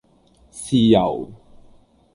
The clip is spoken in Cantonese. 豉油